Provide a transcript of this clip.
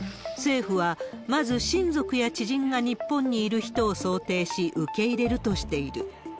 政府は、まず親族や知人が日本にいる人を想定し受け入れるとしている。